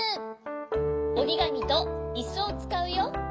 おりがみといすをつかうよ。